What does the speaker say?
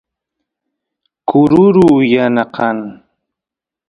kururu yana kan